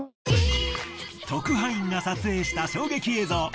特派員が撮影した衝撃映像。